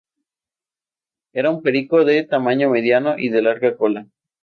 Era un perico de tamaño mediano y de larga cola.